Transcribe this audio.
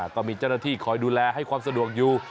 ก็มีเจ้าหน้าที่คอยดูแลให้ความสะดวกอยู่